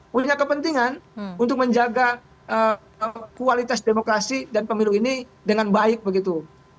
punya kepentingan untuk menjaga kualitas demokrasi dan pemilu ini dengan baik begitu